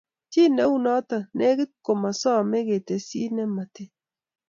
Chi ne u notok legit komasomei ketesyi ne motiny.